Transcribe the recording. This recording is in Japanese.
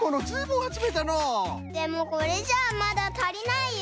でもこれじゃあまだたりないよ。